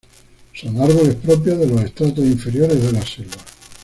Son árboles propios de los estratos inferiores de la selva.